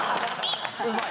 うまい！